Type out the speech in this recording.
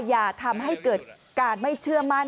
อย่าทำให้เกิดการไม่เชื่อมั่น